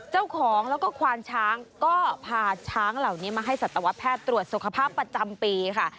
เจ้าของแล้วก็ควานช้างก็พาช้างเหล่านี้มาให้สัตวแพทย์ตรวจสุขภาพประจำปีค่ะ